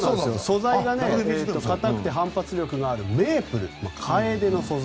素材が硬くて反発力があるメープル、カエデの素材。